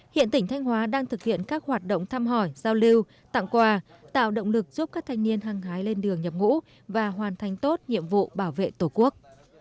hiện tỉnh thanh hóa đang thực hiện các hoạt động thăm hỏi giao lưu tặng quà tạo động lực giúp các thanh niên hăng hái lên đường nhập ngũ và hoàn thành tốt nhiệm vụ bảo vệ tổ quốc